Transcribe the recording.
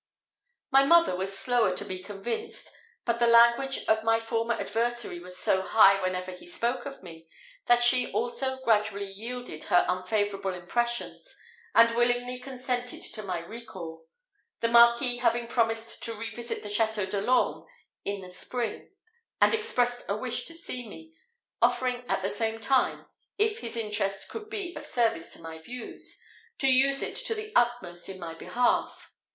My mother was slower to be convinced; but the language of my former adversary was so high whenever he spoke of me, that she also gradually yielded her unfavourable impressions, and willingly consented to my recal the Marquis having promised to revisit the Château de l'Orme in the spring, and expressed a wish to see me, offering at the same time, if his interest could be of service to my views, to use it to the utmost in my behalf.